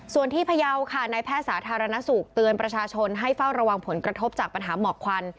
ส่วนที่พยาวค่ะนายแพทย์สาธารณสุขเตือนประชาชนให้เฝ้าระวังผลกระทบจากปัญหาหมอกควัน